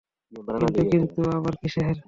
কিন্তু– কিন্তু আবার কিসের।